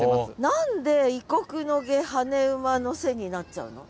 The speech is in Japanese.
何で「異国の夏跳ね馬の背」になっちゃうの？